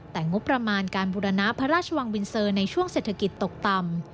แต่งบประมาณการบุรณะพระราชวังบินเซอร์ในช่วงเศรษฐกิจตกต่ำ